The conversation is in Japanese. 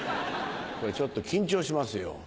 これちょっと緊張しますよ。